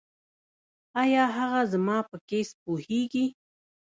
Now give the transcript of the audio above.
ایا هغه زما په کیس پوهیږي؟